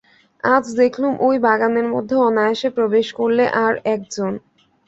আজ দেখলুম ঐ বাগানের মধ্যে অনায়াসে প্রবেশ করলে আর-একজন।